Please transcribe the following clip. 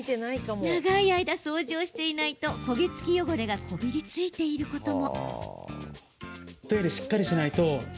長い間、掃除をしていないと焦げ付き汚れがこびりついていることも。